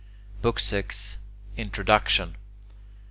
BOOK VI INTRODUCTION 1.